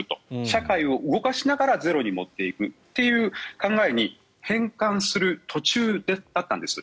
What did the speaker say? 社会を動かしながらゼロに持っていくという考えに変換する途中だったんです。